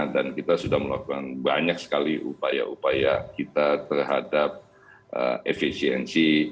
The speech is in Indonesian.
dan kita sudah melakukan banyak sekali upaya upaya kita terhadap efisiensi